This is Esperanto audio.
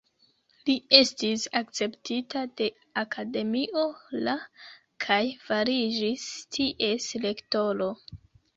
Li estis akceptita de Akademio la kaj fariĝis ties rektoro.